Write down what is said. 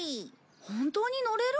本当に乗れるの？